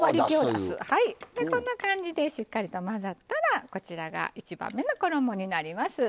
こんな感じでしっかりと混ざったらこちらが１番目の衣になります。